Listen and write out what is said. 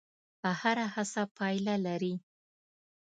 هره هڅه پایله لري.